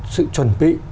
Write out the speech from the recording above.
sự chuẩn bị